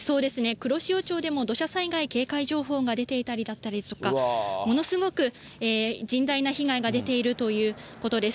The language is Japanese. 黒潮町でも土砂災害警戒情報が出ていたりだったりとか、ものすごく甚大な被害が出ているということです。